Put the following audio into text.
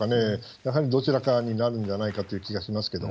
やはりどちらかになるんじゃないかっていう気がしますけども。